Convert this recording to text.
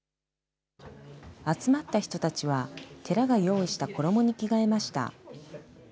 集まった人たちは、寺が用意した衣に着替えました。